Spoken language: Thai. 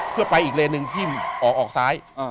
เพื่อไปอีกเลนหนึ่งที่ออกซ้าย